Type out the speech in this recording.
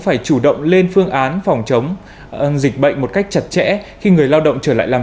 phải chủ động lên phương án phòng chống dịch bệnh một cách chặt chẽ khi người lao động trở lại làm